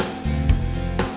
aku mau kemana